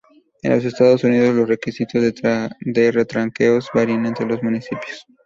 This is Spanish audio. En los Estados Unidos, los requisitos de retranqueos varían entre los municipios.